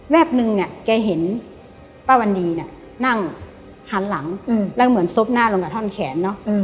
นึงเนี่ยแกเห็นป้าวันดีเนี่ยนั่งหันหลังแล้วเหมือนซบหน้าลงกับท่อนแขนเนอะ